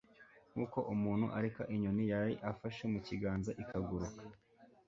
nk'uko umuntu areka inyoni yari afashe mu kiganza ikaguruka